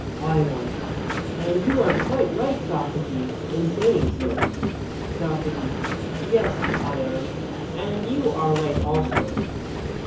ION: And you are quite right, Socrates, in saying so. SOCRATES: Yes, Ion, and you are right also.